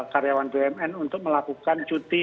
karyawan bumn untuk melakukan cuti